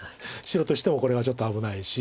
白としてもこれはちょっと危ないし。